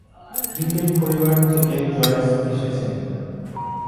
Cricket পরিবার থেকে Joyce এসেছেন।